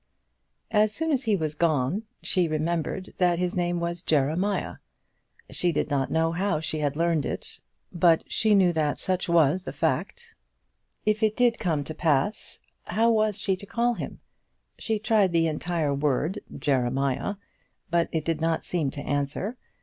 As soon as he was gone she remembered that his name was Jeremiah. She did not know how she had learned it, but she knew that such was the fact. If it did come to pass how was she to call him? She tried the entire word Jeremiah, but it did not seem to answer.